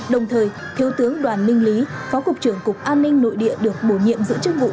đồng thời thiếu tướng đoàn minh lý phó cục trưởng cục an ninh nội địa được bổ nhiệm giữ chức vụ